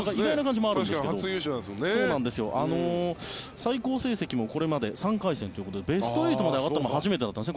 最高成績もこれまで３回戦ということでベスト８まで上がったのも初めてだったんですね